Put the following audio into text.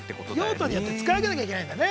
用途によって使い分けないといけないんだね。